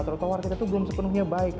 trotoar kita tuh belum sepenuhnya baik